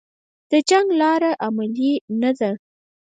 د جنګ لاره عملي نه ده